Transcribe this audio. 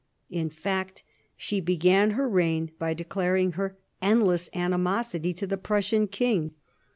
In fact she began her reign by declaring her endless animosity to the Prussian king.